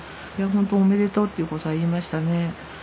いやほんとおめでとうっていうことは言いましたね。